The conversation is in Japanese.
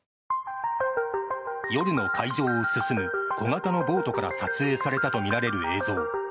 夜の海上を進む小型のボートから撮影されたとみられる映像。